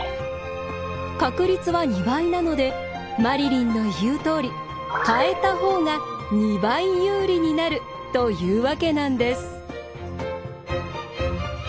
確率は２倍なのでマリリンの言うとおり変えた方が２倍有利になるというわけなんです。